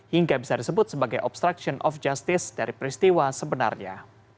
hingga bisa disebut sebagai obstruction of justice dari peristiwa sebenarnya